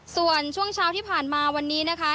ส่วนช่วงเช้าที่ผ่านมาวันนี้นะคะ